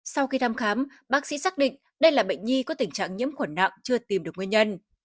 sau khi thăm khám bác sĩ xác định đây là bệnh nhi có tình trạng nhiễm khuẩn nặng chưa tìm được nguyên nhân